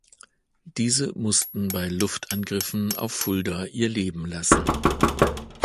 Diese mussten bei Luftangriffen auf Fulda ihr Leben lassen.